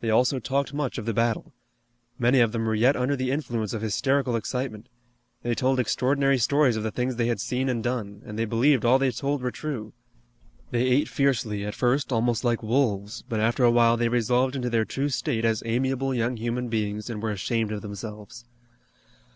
They also talked much of the battle. Many of them were yet under the influence of hysterical excitement. They told extraordinary stories of the things they had seen and done, and they believed all they told were true. They ate fiercely, at first almost like wolves, but after a while they resolved into their true state as amiable young human beings and were ashamed of themselves.